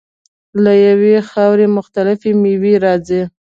له یوې خاورې مختلفې میوې راځي.